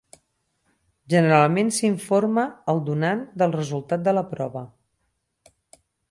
Generalment s'informa el donant del resultat de la prova.